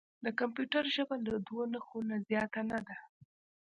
د کمپیوټر ژبه له دوه نښو نه زیاته نه ده.